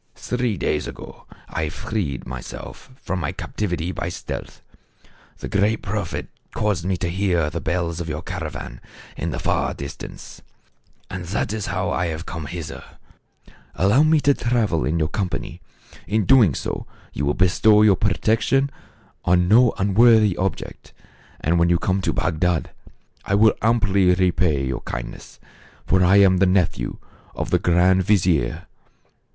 Three days ago I freed myself from my captivity by stealth. The great Prophet caused me to hear of blue silk stuff. THE CAB AVAN. 85 the bells of your caravan in the far distance, and that is how 1 have come hither. Allow me to travel in your company. In so doing you will bestow your protection on no unworthy object, and when you come to Bagdad I will amply repay your kindness ; for I am the nephew of the grand vizier."